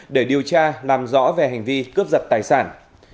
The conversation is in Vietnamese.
để điều tra làm rõ về hành vi cướp giật tài sản